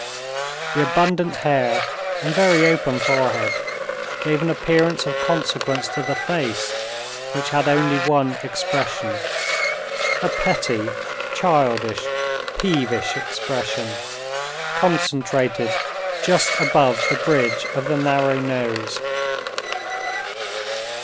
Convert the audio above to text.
The abundant hair and very open forehead gave an appearance of consequence to the face, which had only one expression—a petty, childish, peevish expression, concentrated just above the bridge of the narrow nose.